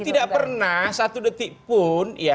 tidak pernah satu detik pun